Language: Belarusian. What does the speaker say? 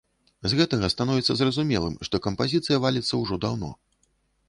З гэтага становіцца зразумелым, што кампазіцыя валіцца ўжо даўно.